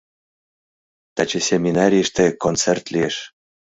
Таче семинарийыште концерт лиеш.